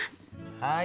はい！